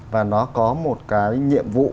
và nó có một cái nhiệm vụ